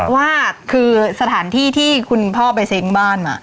ว่าคือสถานที่ที่คุณพ่อไปเซ้งบ้าน